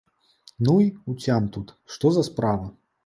Ну й уцям тут, што за справа.